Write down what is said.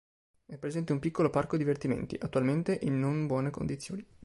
È presente un piccolo parco divertimenti, attualmente in non buone condizioni.